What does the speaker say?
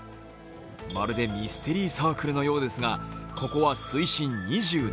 まるでミステリーサークルのようですが、ここは水深２７ｍ。